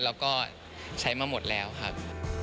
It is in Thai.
แล้วก็ใช้มาหมดแล้วครับ